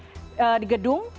pemeriksaan juga di gedung